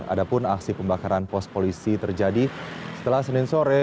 ada pun aksi pembakaran pos polisi terjadi setelah senin sore